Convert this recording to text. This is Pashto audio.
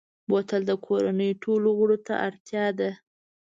بوتل د کورنۍ ټولو غړو ته اړتیا ده.